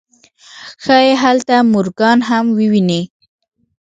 ښايي هلته مورګان هم وويني.